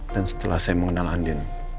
dan setelah saya mengenal andi